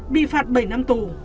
bị phạt bảy năm tù